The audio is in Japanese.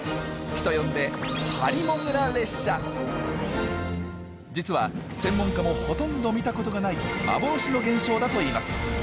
人呼んで実は専門家もほとんど見たことがない幻の現象だといいます。